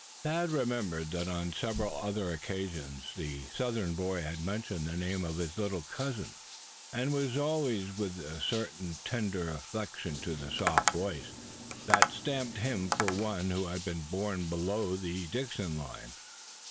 THAD remembered that on several other occasions the Southern boy had mentioned the name of his little cousin, and always with a certain tender inflection to the soft voice that stamped him for one who had been born below the Dixie line.